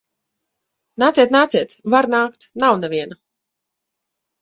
Nāciet, nāciet! Var nākt. Nav neviena.